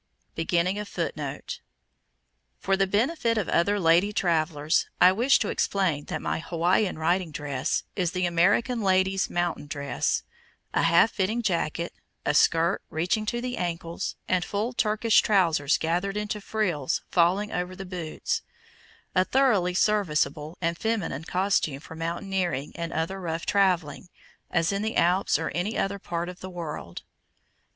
For the benefit of other lady travelers, I wish to explain that my "Hawaiian riding dress" is the "American Lady's Mountain Dress," a half fitting jacket, a skirt reaching to the ankles, and full Turkish trousers gathered into frills falling over the boots, a thoroughly serviceable and feminine costume for mountaineering and other rough traveling, as in the Alps or any other part of the world.